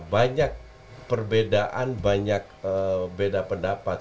banyak perbedaan banyak beda pendapat